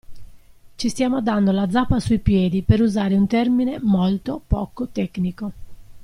Ci stiamo dando la zappa sui piedi per usare un termine molto (poco) tecnico.